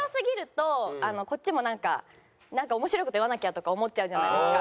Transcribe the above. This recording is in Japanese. こっちもなんかなんか面白い事言わなきゃとか思っちゃうじゃないですか。